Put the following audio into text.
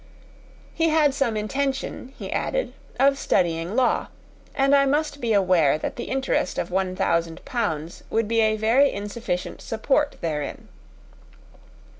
He had some intention, he added, of studying the law, and I must be aware that the interest of one thousand pounds would be a very insufficient support therein.